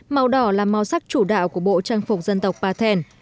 màu đỏ là màu sắc chủ đạo của bộ trang phục dân tộc bà thèn